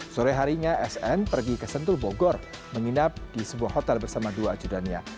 sore harinya sn pergi ke sentul bogor menginap di sebuah hotel bersama dua ajudannya